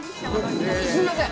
すみません。